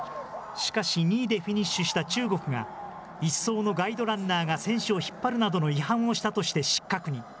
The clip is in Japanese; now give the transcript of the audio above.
しかし、２位でフィニッシュした中国が、１走のガイドランナーが選手を引っ張るなどの違反をしたとして、失格に。